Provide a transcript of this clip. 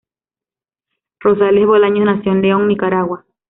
Rosales Bolaños nació en León, Nicaragua.